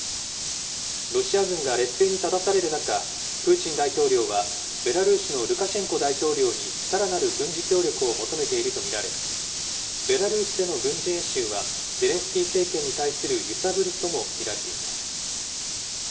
ロシア軍が劣勢に立たされる中、プーチン大統領はベラルーシのルカシェンコ大統領にさらなる軍事協力を求めていると見られ、ベラルーシでの軍事演習は、ゼレンスキー政権に対する揺さぶりとも見られています。